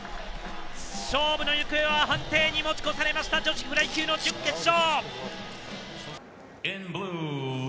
勝負の行方は判定に持ち越されました、女子フライ級準決勝。